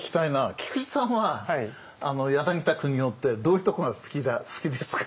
菊地さんは柳田国男ってどういうとこが好きですか？